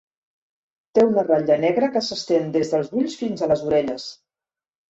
Té una ratlla negra que s'estén des dels ulls fins a les orelles.